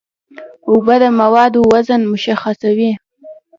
اوبه د موادو وزن مشخصوي.